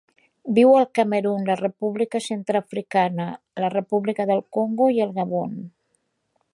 Viu al Camerun, la República Centreafricana, la República del Congo i el Gabon.